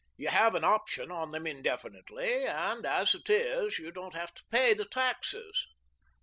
You have an option on them indefinitely, and, as it is, you don't have to pay the taxes."